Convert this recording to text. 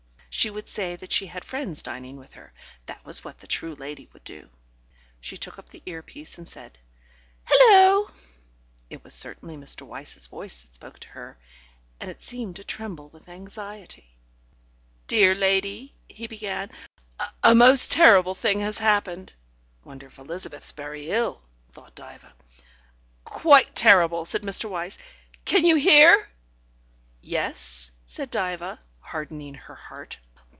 She would say that she had friends dining with her; that was what the true lady would do. She took up the ear piece and said: "Hullo!" It was certainly Mr. Wyse's voice that spoke to her, and it seemed to tremble with anxiety. "Dear lady," he began, "a most terrible thing has happened " (Wonder if Elizabeth's very ill, thought Diva.) "Quite terrible," said Mr. Wyse. "Can you hear?" "Yes," said Diva, hardening her heart.